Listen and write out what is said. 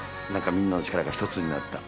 みんなの力が１つになった